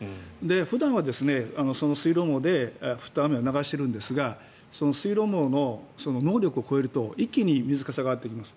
普段はその水路網で降った雨を流しているんですがその水路網の能力を超えると一気に水かさが上がってきます。